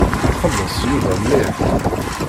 Yettxelliṣ Yuba mliḥ.